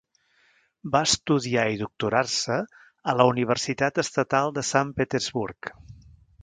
Va estudiar i doctorar-se a la Universitat Estatal de Sant Petersburg.